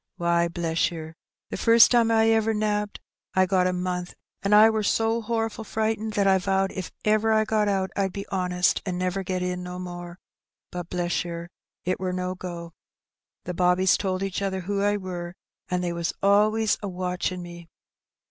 Why, bless yer, the first time I ever nabbed I got a month, an' I wor so horful frightened, that I vowed if ever I got out I'd be honest, an' never get in no more; but, bless yer, it wur no go. The bobbies told each other who I wur, an' they was always a watching me.